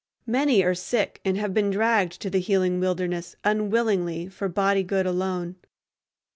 Many are sick and have been dragged to the healing wilderness unwillingly for body good alone.